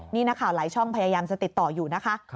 นี่นักข่าวหลายช่องพยายามจะติดต่ออยู่นะคะ